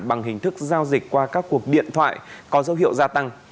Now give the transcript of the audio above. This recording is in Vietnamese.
bằng hình thức giao dịch qua các cuộc điện thoại có dấu hiệu gia tăng